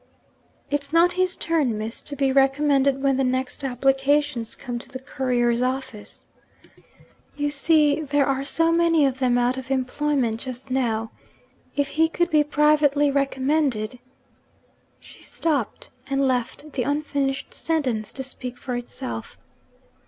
'It's not his turn, Miss, to be recommended when the next applications come to the couriers' office. You see, there are so many of them out of employment just now. If he could be privately recommended ' She stopped, and left the unfinished sentence to speak for itself.